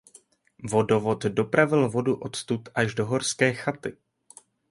Vodovod dopravil vodu odtud až do horské chaty.